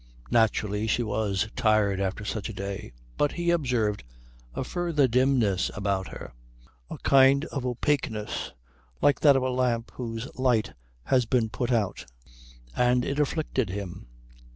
Naturally she was tired after such a day, but he observed a further dimness about her, a kind of opaqueness, like that of a lamp whose light has been put out, and it afflicted him.